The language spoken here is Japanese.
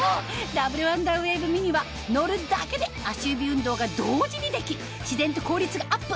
ダブルワンダーウェーブミニは乗るだけで足指運動が同時にでき自然と効率がアップ